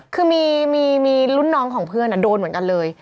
คือมีรุ่นน้องของเพื่อนโดนเหมือนกันเลย